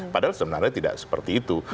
padahal sebenarnya tidak seperti itu